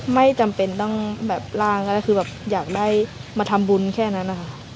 ไม่จำเป็นต้องร่างอะไรอยากได้มาทำบุญแค่นั้น